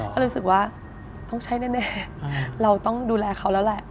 ก็เลยรู้สึกว่าต้องใช่แน่เราต้องดูแลเขาแล้วแหละ